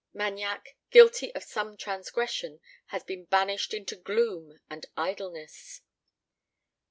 Magnac, guilty of some transgression, has been banished into gloom and idleness!